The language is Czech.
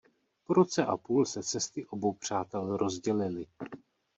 Po roce a půl se cesty obou přátel rozdělily.